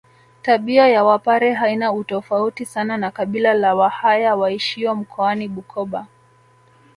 Tabia ya wapare haina utofauti sana na kabila la wahaya waishio mkoani Bukoba